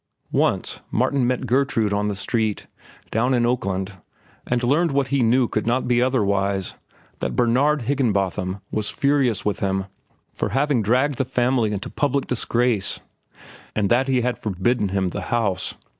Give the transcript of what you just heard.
Once, Martin met Gertrude on the street, down in Oakland, and learned what he knew could not be otherwise—that Bernard Higginbotham was furious with him for having dragged the family into public disgrace, and that he had forbidden him the house.